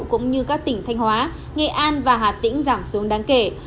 cũng như các tỉnh thanh hóa nghệ an và hà tĩnh giảm xuống đáng kể